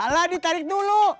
ala ditarik dulu